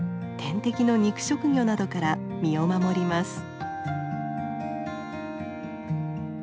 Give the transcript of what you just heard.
天敵の肉食魚などから身を守ります。